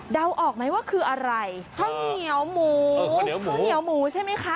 ออกไหมว่าคืออะไรข้าวเหนียวหมูข้าวเหนียวหมูใช่ไหมคะ